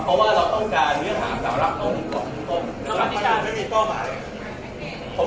เพราะว่าเราต้องการเนื้อหาสารรับข้อมูลข้อมูลคนกระทบที่เกิดผิดก่อน